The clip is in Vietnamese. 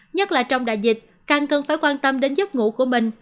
nhất là trong đại dịch càng cần phải quan tâm đến giấc ngủ của mình